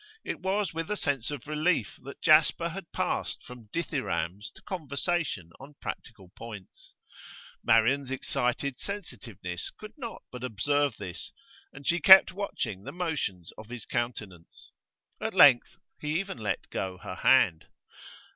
It was with a sense of relief that Jasper had passed from dithyrambs to conversation on practical points; Marian's excited sensitiveness could not but observe this, and she kept watching the motions of his countenance. At length he even let go her hand.